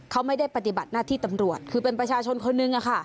เขาไม่ได้ปฏิบัติหน้าที่ตำรวจคือเป็นประชาชนคนนึงอะค่ะ